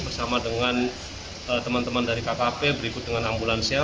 bersama dengan teman teman dari kkp berikut dengan ambulansnya